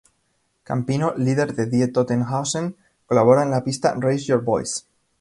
Campino, líder de Die Toten Hosen, colabora en la pista "Raise Your Voice!".